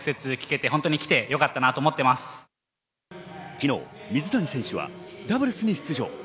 昨日、水谷選手はダブルスに出場。